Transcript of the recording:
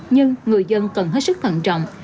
nhưng người dân cần hết sức thận trọng